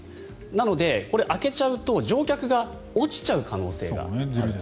なので、開けちゃうと乗客が落ちちゃう可能性があった。